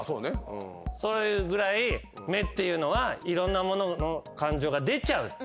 それぐらい目っていうのはいろんなものの感情が出ちゃうと。